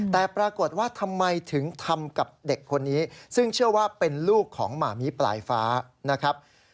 แต่ปรากฏว่าทำไมถึงทำกับเด็กคนนี้ซึ่งเชื่อว่าเป็นลูกของหมามีปลายฟ้านะครับ